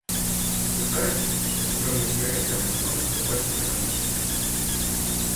Утверждается, что электронные сигареты намного безопасней обычных